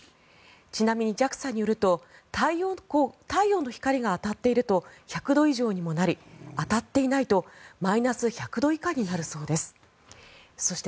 ちなみにＪＡＸＡによると太陽の光が当たっていると１００度以上にもなり当たっていないとマイナス１００度以下になるそうです。